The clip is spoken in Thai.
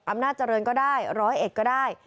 อำนาจเจริญก็ได้ร้อยเอ็ดก็ได้